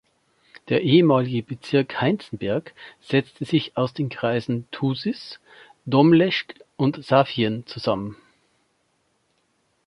Der ehemalige Bezirk Heinzenberg setzte sich aus den Kreisen Thusis, Domleschg und Safien zusammen.